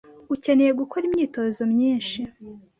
Ukeneye gukora imyitozo myinshi.